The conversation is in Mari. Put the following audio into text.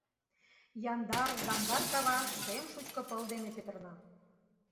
Яндар, заҥгар кава Шем шучко пыл ден петырна.